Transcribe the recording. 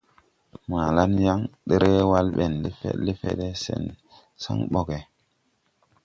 Maa laŋ yaŋ, derewal ɓe lefed lefede, sen bon san boge.